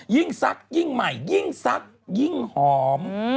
ซักยิ่งใหม่ยิ่งซักยิ่งหอม